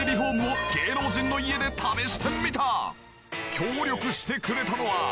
協力してくれたのは。